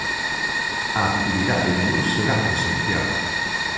A actividade non será presencial.